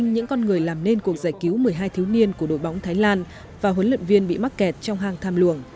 những con người làm nên cuộc giải cứu một mươi hai thiếu niên của đội bóng thái lan và huấn luyện viên bị mắc kẹt trong hang tham luồng